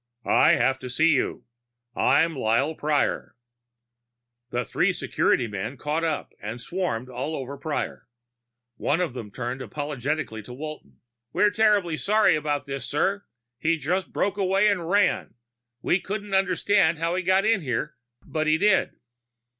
"I have to see you. I'm Lyle Prior." The three security men caught up and swarmed all over Prior. One of them turned apologetically to Walton. "We're terribly sorry about this, sir. He just broke away and ran. We can't understand how he got in here, but he did."